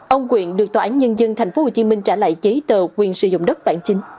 ông nguyễn được tòa án nhân dân tp hcm trả lại chế tờ quyền sử dụng đất bản chính